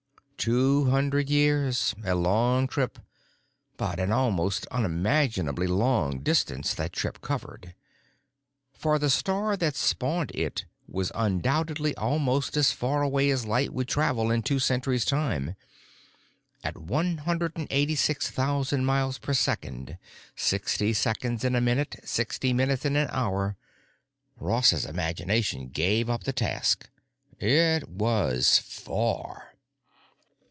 Two hundred years—a long trip, but an almost unimaginably long distance that trip covered. For the star that spawned it was undoubtedly almost as far away as light would travel in two centuries' time. At 186,000 miles per second, sixty seconds in a minute, sixty minutes in an hour. Ross's imagination gave up the task. It was far.